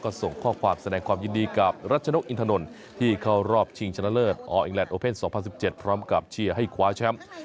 ก็ส่งข้อความแสดงความยินดีกับรัชนกอินทนนท์ที่เข้ารอบชิงชนะเลิศอออิงแลนดโอเพ่น๒๐๑๗พร้อมกับเชียร์ให้คว้าแชมป์